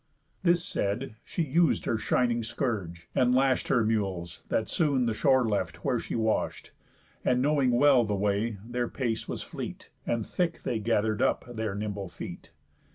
This said, she us'd her shining scourge, and lash'd Her mules, that soon the shore left where she wash'd, And, knowing well the way, their pace was fleet, And thick they gather'd up their nimble feet.